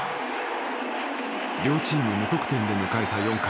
両チーム無得点で迎えた４回。